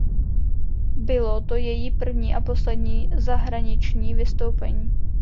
Bylo to její první a poslední zahraniční vystoupení.